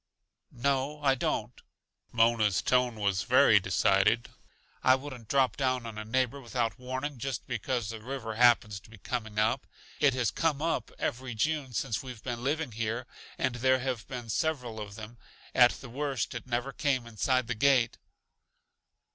"No, I don't." Mona's tone was very decided. "I wouldn't drop down on a neighbor without warning just because the river happens to be coming up. It has 'come up' every June since we've been living here, and there have been several of them. At the worst it never came inside the gate."